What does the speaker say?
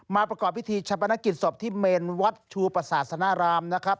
ประกอบพิธีชะปนกิจศพที่เมนวัดชูประสาสนารามนะครับ